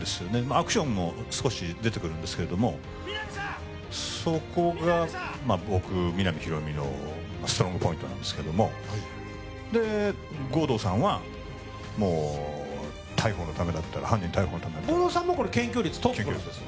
アクションも少し出てくるんですけれどもそこが僕皆実広見のストロングポイントなんですけどもで護道さんは犯人逮捕のためだったら護道さんも検挙率トップなんです